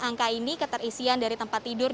angka ini keterisian dari tempat tidur